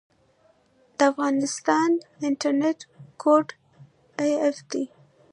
د افغانستان انټرنیټ کوډ af دی